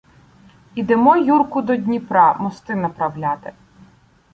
Ідемо, Юрку, до Дніпра мости направляти.